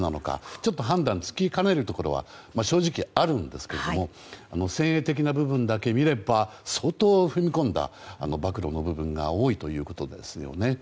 ちょっと判断がつきかねるところは正直あるんですけども相当、踏み込んだ暴露の部分が多いということですよね。